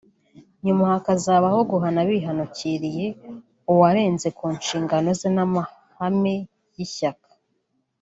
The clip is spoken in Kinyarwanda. nyuma hakazabaho guhana bihanukiriye uwarenze ku nshingano ze n’amahame y’ishyaka